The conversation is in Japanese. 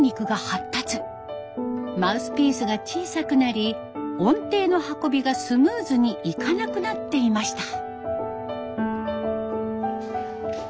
マウスピースが小さくなり音程の運びがスムーズにいかなくなっていました。